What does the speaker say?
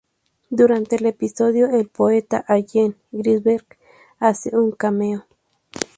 Durante el episodio, el poeta Allen Ginsberg hace un cameo.